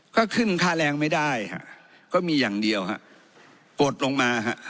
ก็ขึ้นค่าแรงไม่ได้ฮะก็มีอย่างเดียวฮะกดลงมาฮะ